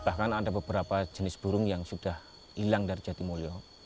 bahkan ada beberapa jenis burung yang sudah hilang dari jatimulyo